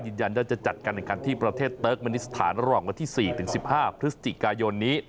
ยืนยันจะจัดการการที่ประเทศเติร์กมันิสถานรองวันที่๔๑๕พฤศจิกายน